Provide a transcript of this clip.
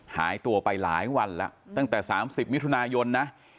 หายตัวไปหลายวันแล้วตั้งแต่๓๐มิถุนายนนะ